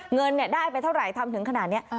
เงินได้ไปเท่าไหร่ทำถึงขนาดนี้